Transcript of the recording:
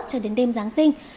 cho đến đêm giáng sinh